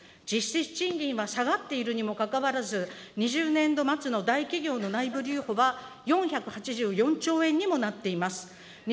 実質賃金は下がっているにもかかわらず、２０年度末の大企業の内部留保は、４８４兆円にもなっています。